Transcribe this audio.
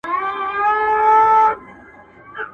چي پر سر د دروازې یې سره ګلاب کرلي دینه.